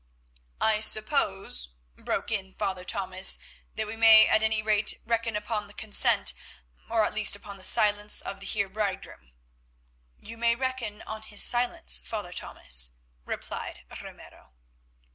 "I suppose," broke in Father Thomas, "that we may at any rate reckon upon the consent, or at least upon the silence of the Heer bridegroom." "You may reckon on his silence, Father Thomas," replied Ramiro.